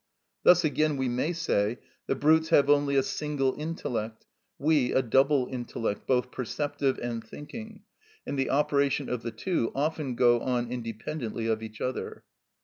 Thus again we may say: The brutes have only a single intellect, we a double intellect, both perceptive and thinking, and the operation of the two often go on independently of each other.